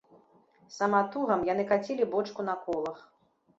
Саматугам яны кацілі бочку на колах.